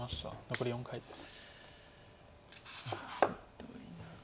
残り４回です。